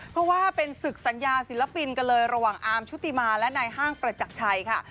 เพราะว่าเป็นศึกสัญญาศิลปินกันเลยระหว่างอาร์มชุติมาและนายห้างประจักรชัยค่ะ